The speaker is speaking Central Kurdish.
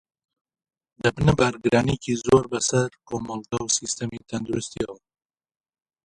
دەبنە بارگرانییەکی زۆر بەسەر کۆمەڵگە و سیستمی تەندروستییەوە